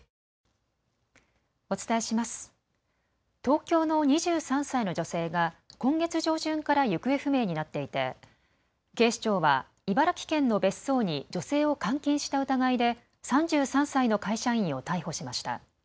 東京の２３歳の女性が今月上旬から行方不明になっていて警視庁は茨城県の別荘に女性を監禁した疑いで３３歳の会社員を逮捕しました。